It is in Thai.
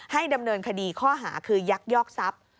ดำเนินคดีข้อหาคือยักยอกทรัพย์